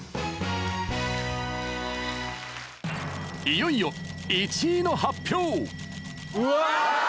いよいよ１位の発表うわ！